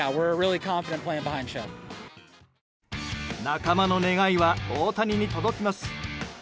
仲間の願いは大谷に届きます。